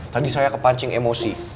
tadi saya kepancing emosi